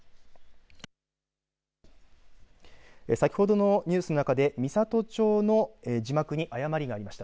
先ほどのニュースの中で美郷町の字幕に誤りがありました。